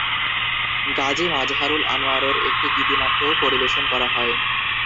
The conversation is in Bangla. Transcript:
গাজী মাজহারুল আনোয়ারের একটি গীতিনাট্যও পরিবেশন করা হয়।